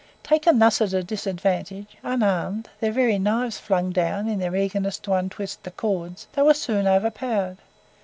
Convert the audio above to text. Taken thus at disadvantage, unarmed, their very knives flung down in their eagerness to untwist the cords, they were soon overpowered.